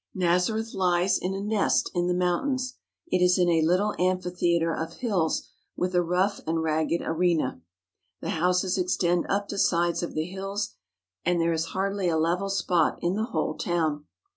Nazareth lies in a nest in the mountains. It is in a little amphitheatre of hills with a rough and ragged arena. The houses extend up the sides of the hills and there is hardly a level spot in the whole town.